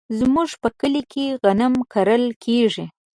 زمونږ په کلي کې غنم کرل کیږي.